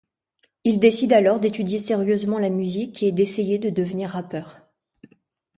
Il décide alors d'étudier sérieusement la musique et d'essayer de devenir rappeur.